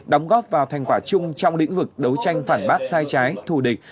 đóng góp vào thành quả chung trong lĩnh vực đấu tranh phản bác sai trái thù địch